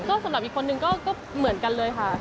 ก็สำหรับอีกคนนึงก็เหมือนกันเลยค่ะ